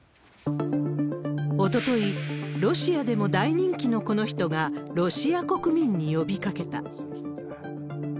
おととい、ロシアでも大人気のこの人が、ロシア国民に呼びかけた。